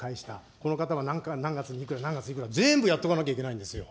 この方は何月にいくら、何月にいくら、全部やっとかなきゃいけないんですよ。